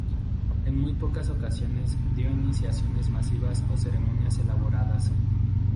En muy pocas ocasiones dio iniciaciones masivas o ceremonias elaboradas.